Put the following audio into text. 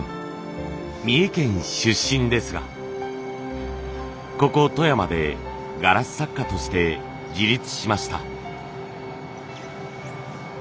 三重県出身ですがここ富山でガラス作家として自立しました。